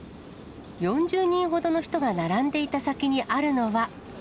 ４０人ほどの人が並んでいた先にあるのは。